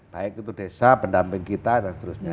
baik itu desa pendamping kita dan seterusnya